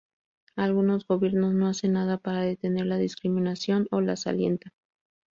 Algunos gobiernos no hacen nada para detener la discriminación o las alientan.